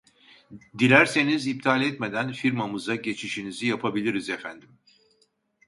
Dilerseniz iptal etmeden firmamıza geçişinizi yapabiliriz efendim